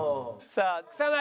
さあ草薙。